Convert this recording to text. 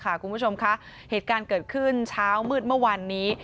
คุณผู้ชมคะเหตุการณ์เกิดขึ้นเช้ามืดเมื่อวานนี้